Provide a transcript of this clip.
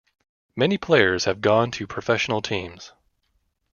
Many players have gone to professional teams.